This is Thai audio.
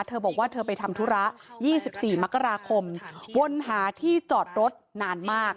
เธอบอกว่าเธอไปทำธุระ๒๔มกราคมวนหาที่จอดรถนานมาก